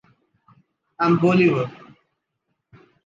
I am Bolívar!